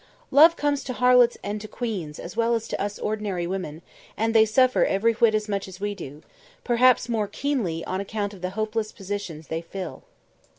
Love comes to harlots and to queens as well as to us ordinary women, and they suffer every whit as much as we do, perhaps more keenly on account of the hopeless positions they fill.